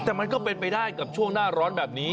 แต่มันก็เป็นไปได้กับช่วงหน้าร้อนแบบนี้